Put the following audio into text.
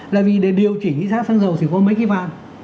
là vì để điều chỉnh giá xăng dầu thì có mấy cái van